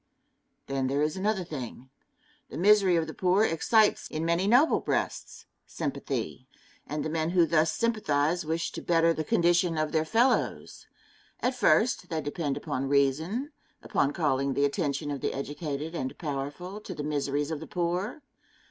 Then there is another thing. The misery of the poor excites in many noble breasts sympathy, and the men who thus sympathize wish to better the condition of their fellows. At first they depend upon reason, upon calling the attention of the educated and powerful to the miseries of the poor.